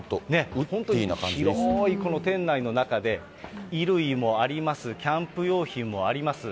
本当に広い店内の中に、衣類もあります、キャンプ用品もあります。